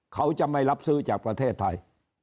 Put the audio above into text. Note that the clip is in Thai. เขาจะไม่รับซื้อจากประเทศไทย